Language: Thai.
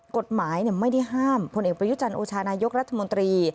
กฎหมายไม่ได้ห้ามพลเอกประยุจันทร์โอชานายกรัฐมนตรี